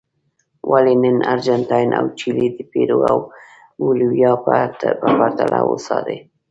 ولې نن ارجنټاین او چیلي د پیرو او بولیویا په پرتله هوسا دي.